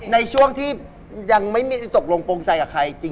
ในช่วงที่ยังไม่มีตกลงโปรงใจกับใครจริง